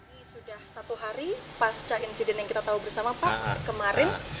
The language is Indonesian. ini sudah satu hari pasca insiden yang kita tahu bersama pak kemarin